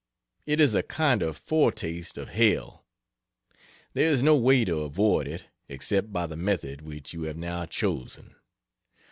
It is a kind of foretaste of hell. There is no way to avoid it except by the method which you have now chosen.